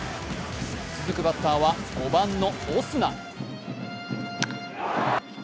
続くバッターは５番のオスナ。